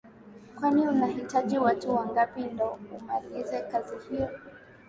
Kwani unahitaji watu wangapi ndo umalize kazi hiyo